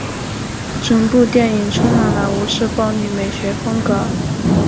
整部电影充满了吴氏暴力美学风格。